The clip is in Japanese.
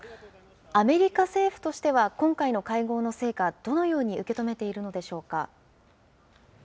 アメリカ政府としては、今回の会合の成果、どのように受け止めているのでしょうか。